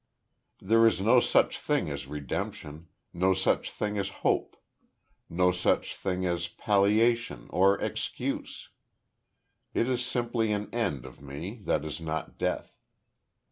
There is no such thing as redemption no such thing as hope no such thing as palliation, or excuse. It is simply an end of me that is not death.